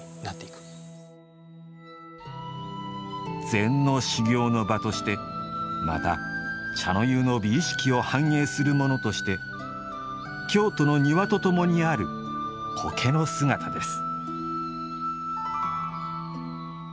禅の修行の場としてまた茶の湯の美意識を反映するものとして京都の庭とともにある苔の姿です。